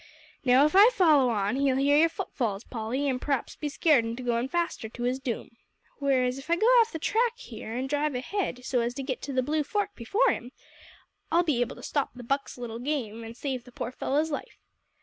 Now, if I follow on he'll hear your foot falls, Polly, an' p'raps be scared into goin' faster to his doom. Whereas, if I go off the track here an' drive ahead so as to git to the Blue Fork before him, I'll be able to stop the Buck's little game, an' save the poor fellow's life.